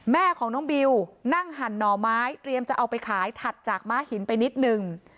แม่ของน้องบิวนั่งหั่นหน่อไม้เตรียมจะเอาไปขายถัดจากม้าหินไปนิดนึง